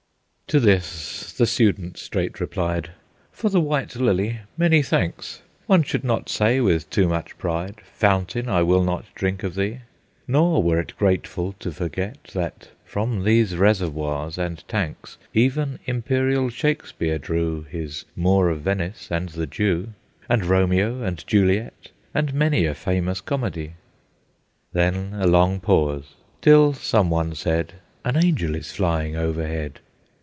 To this the Student straight replied, "For the white lily, many thanks! One should not say, with too much pride, Fountain, I will not drink of thee! Nor were it grateful to forget, That from these reservoirs and tanks Even imperial Shakspeare drew His Moor of Venice and the Jew, And Romeo and Juliet, And many a famous comedy." Then a long pause; till some one said, "An Angel is flying overhead!"